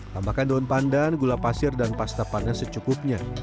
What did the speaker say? tambahkan daun pandan gula pasir dan pasta panas secukupnya